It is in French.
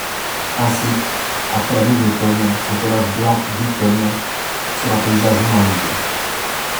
Ainsi, après la mue d'automne, son pelage blanc détonne sur un paysage non-enneigé.